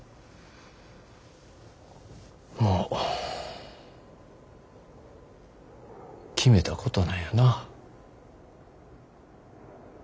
もう決めたことなんやな。